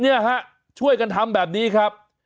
เนี่ยฮะช่วยกันทำแบบนี้ครับ